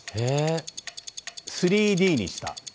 ３Ｄにした。